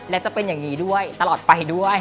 และจะเป็นอย่างนี้ด้วยตลอดไปด้วย